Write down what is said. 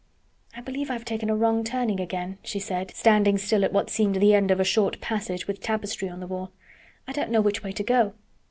"I believe I have taken a wrong turning again," she said, standing still at what seemed the end of a short passage with tapestry on the wall. "I don't know which way to go.